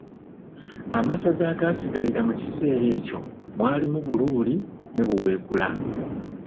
Amasaza agaasigalira mu kiseera ekyo mwalimu Buruli ne Buweekula.